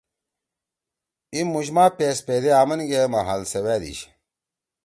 ای مُوشما پیس پیدے آمنگے محل سوأدِیشی۔